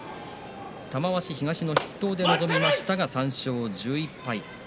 玉鷲は東の筆頭で臨みましたが３勝１１敗。